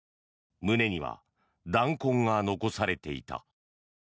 胸には弾痕が残されていた。